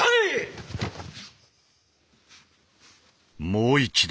もう一度。